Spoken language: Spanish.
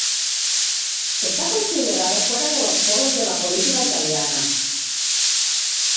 Está considerado fuera de los polos de la política italiana.